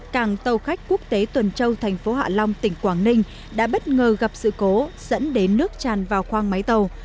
cảng tàu khách quốc tế tuần châu thành phố hạ long tỉnh quảng ninh đã bất ngờ gặp sự cố dẫn đến nước tràn vào khoang máy tàu